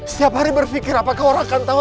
setiap hari berpikir apakah orang akan tahu